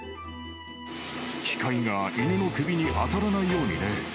機械が犬の首に当たらないようにね。